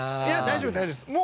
いや大丈夫です。